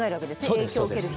影響を受ける人。